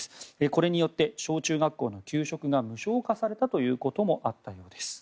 これによって小中学校の給食が無償化されたということもあったようです。